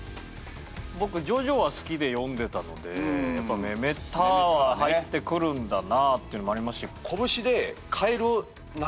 僕「ジョジョ」は好きで読んでたのでやっぱ「メメタァ」は入ってくるんだなあっていうのもありますし。